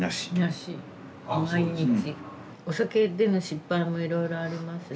お酒での失敗もいろいろありますし。